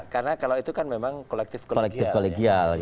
karena kalau itu kan memang kolektif kolegial